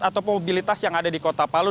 atau mobilitas yang ada di kota palu